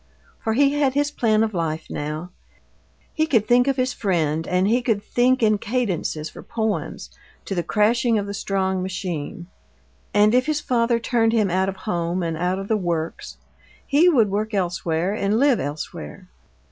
For he had his plan of life now: his day would be of manual labor and thinking he could think of his friend and he could think in cadences for poems, to the crashing of the strong machine and if his father turned him out of home and out of the Works, he would work elsewhere and live elsewhere.